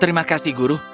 terima kasih guru